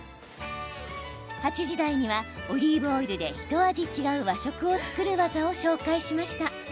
８時台には、オリーブオイルでひと味違う和食を作る技を紹介しました。